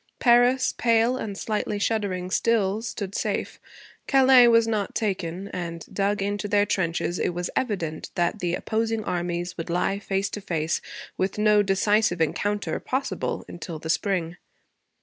Paris, pale, and slightly shuddering still, stood safe. Calais was not taken, and, dug into their trenches, it was evident that the opposing armies would lie face to face, with no decisive encounter possible until the spring.